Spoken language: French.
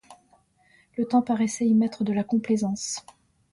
Le temps paraissait y mettre de la complaisance.